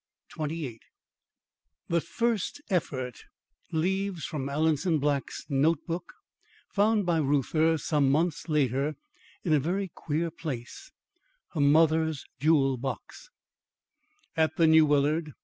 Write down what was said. XXVIII THE FIRST EFFORT LEAVES FROM ALANSON BLACK'S NOTE BOOK, FOUND BY REUTHER SOME MONTHS LATER, IN A VERY QUEER PLACE, VIZ.: HER MOTHER'S JEWEL BOX At the New Willard.